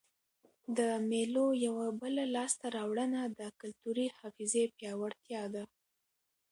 د مېلو یوه بله لاسته راوړنه د کلتوري حافظې پیاوړتیا ده.